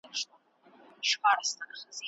کنت د ټولنو په اړه څه باور درلود؟